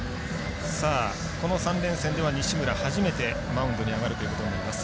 この３連戦では西村初めてマウンドに上がるということになります。